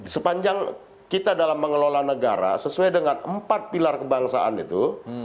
sepanjang kita dalam mengelola negara sesuai dengan empat pilar kebangsaan itu